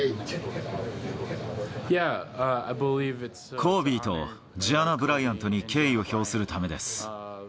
コービーとジアナ・ブライアントに敬意を表するためです。